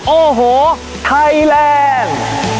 โอ้โหไทยแลนด์